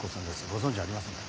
ご存じありませんか？